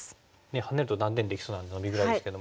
ハネると断点できそうなのでノビぐらいですけども。